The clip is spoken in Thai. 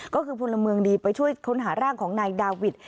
ก็คือพลเมืองดีไปช่วยค้นหาร่างของนายดาวิท